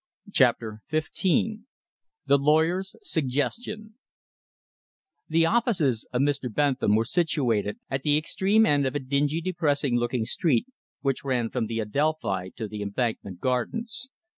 CHAPTER XV THE LAWYER'S SUGGESTION The offices of Mr. Bentham were situated at the extreme end of a dingy, depressing looking street which ran from the Adelphi to the Embankment Gardens.